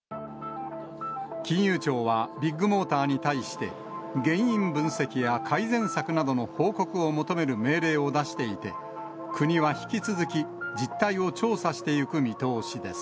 金融庁は、ビッグモーターに対して、原因分析や改善策などの報告を求める命令を出していて、国は引き続き実態を調査していく見通しです。